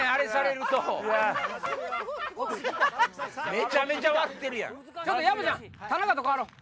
めちゃめちゃ笑てるやん！